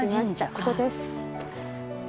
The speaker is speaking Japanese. ここです。